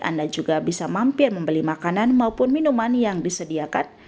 anda juga bisa mampir membeli makanan maupun minuman yang disediakan